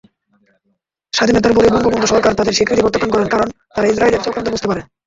স্বাধীনতার পরে বঙ্গবন্ধু সরকার তাদের স্বীকৃতি প্রত্যাখ্যান করেন কারন তারা ইসরাইলের চক্রান্ত বুঝতে পারে।